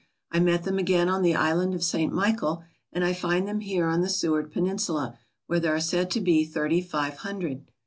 I met them again on the Island of St. Michael, and I find them here on the Seward Peninsula, where there are said to be thirty five hundred.